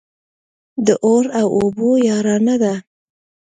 د اور او اوبو يارانه ده.